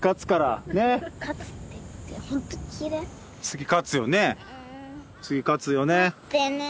次勝つよね？